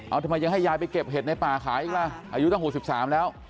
เอาทำไมยังให้ยายไปเก็บเห็ดในป่าขายอีกล่ะอายุตั้ง๖๓แล้ว